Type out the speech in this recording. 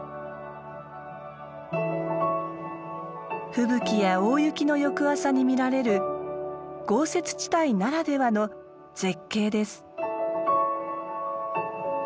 吹雪や大雪の翌朝に見られる豪雪地帯ならではの絶景です。